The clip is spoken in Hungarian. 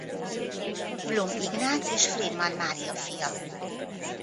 Blum Ignác és Friedman Mária fia.